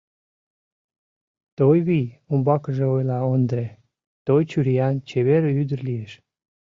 — Тойвий, — умбакыже ойла Ондре, — той чуриян, чевер ӱдыр лиеш.